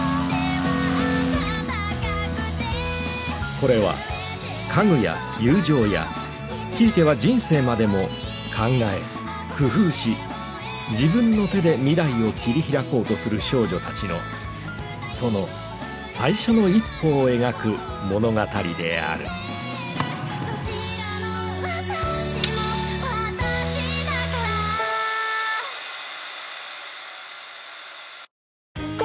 これは家具や友情やひいては人生までも考え工夫し自分の手で未来を切り開こうとする少女たちのその最初の一歩を描く物語である釘！